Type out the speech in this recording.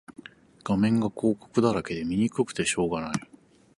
画面が広告だらけで見にくくてしょうがない